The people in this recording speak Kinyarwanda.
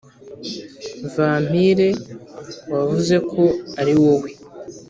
vampire wavuze ko ariwowe